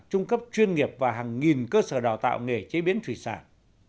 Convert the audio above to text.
trung cấp chuyên nghiệp và hàng nghìn cơ sở đào tạo nghề chế biến thủy sản